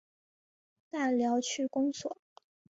大寮区公所